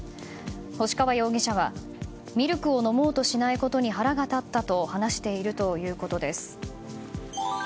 星川容疑者はミルクを飲もうとしないことに腹が立ったと話しているということです。